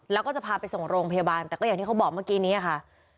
แล้วก็จะพาไปส่งโรงพยาบาลแต่ก็อย่างที่เขาบอกเมื่อกี้นี้ค่ะ